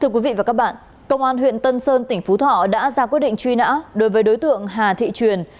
công an huyện tân sơn tỉnh phú thỏ đã ra quyết định truy nã đối với đối tượng hà thị truyền